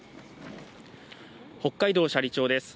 北海道斜里町です。